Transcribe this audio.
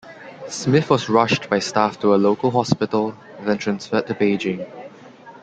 Smith was rushed by staff to a local hospital, then transferred to Beijing.